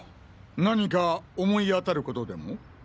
何か思い当たることでも？